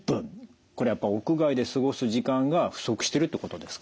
これやっぱ屋外で過ごす時間が不足してるってことですか？